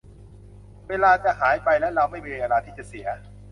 เวลาจะหายไปและเราไม่มีเวลาที่จะเสีย